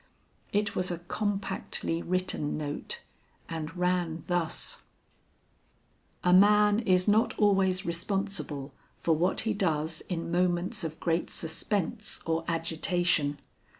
It was a compactly written note and ran thus: "A man is not always responsible for what he does in moments of great suspense or agitation.